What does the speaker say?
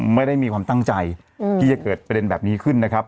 ไม่ได้มีความตั้งใจที่จะเกิดประเด็นแบบนี้ขึ้นนะครับ